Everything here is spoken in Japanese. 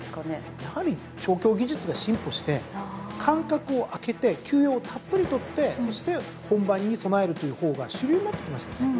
やはり調教技術が進歩して間隔を空けて休養をたっぷり取ってそして本番に備えるという方が主流になってきましたよね。